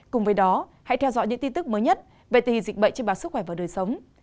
cùng với đó hãy theo dõi những tin tức mới nhất về tình dịch bệnh trên báo sức khỏe và đời sống